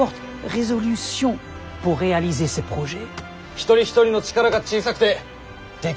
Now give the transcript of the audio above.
一人一人の力が小さくてできぬことも。